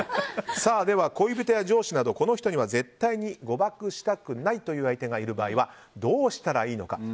では恋人や上司などこの人には絶対に誤爆したくないという相手がいる場合はどうしたらいいのか。